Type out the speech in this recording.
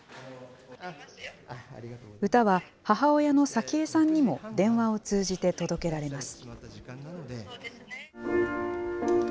歌は母親の早紀江さんにも、電話を通じて届けられます。